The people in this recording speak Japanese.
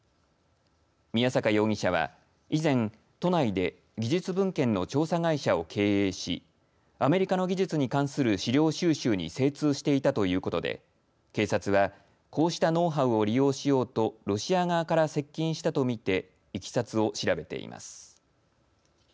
宮坂容疑者は以前、都内で技術文献の調査会社を経営しアメリカの技術に関する資料収集に精通していたということで警察は、こうしたノウハウを利用しようとロシア側から接近したとみていきさつを調べています。